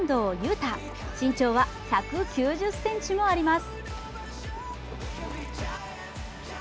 汰、身長は１９０ｃｍもあります。